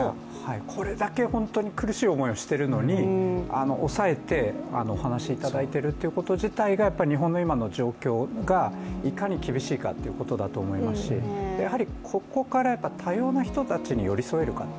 これだけ苦しい思いをしているのに抑えて話していただいているということ自体が日本の今の状況がいかに厳しいかということだと思いますし、やはり、ここから多様な人たちに寄り添えるか。